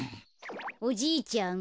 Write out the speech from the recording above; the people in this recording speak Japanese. おじいちゃん